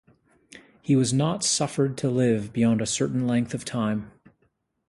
He was not suffered to live beyond a certain length of time.